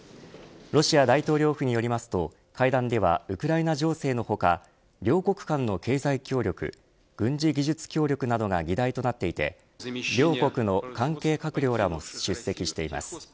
ロシア大統領府によりますと会談では、ウクライナ情勢の他両国間の経済協力軍事技術協力などが議題となっていて両国の関係閣僚らも出席しています。